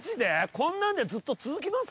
こんなんでずっと続きます？